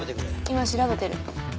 今調べてる。